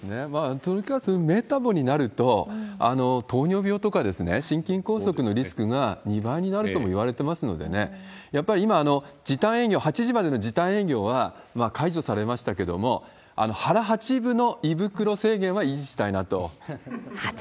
とにかくメタボになると糖尿病とか、心筋梗塞のリスクが２倍になるともいわれてますのでね、やっぱり今、時短営業８時までの時短営業は解除されましたけれども、腹八分の胃袋制限は維持したいなと。